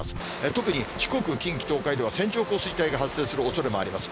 特に、四国、近畿、東海では線状降水帯が発生するおそれもあります。